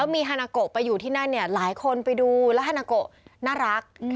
มีฮานาโกะไปอยู่ที่นั่นเนี่ยหลายคนไปดูแล้วฮานาโกน่ารัก